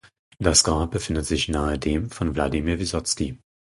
Das Grab befindet sich nahe dem von Wladimir Wyssozki.